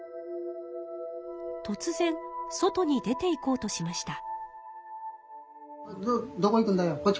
とつぜん外に出ていこうとしました。